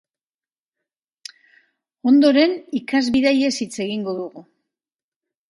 Ondoren, ikasbidaiez hitz egingo dugu.